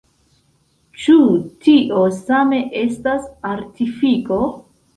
Ĉu tio same estas artifiko?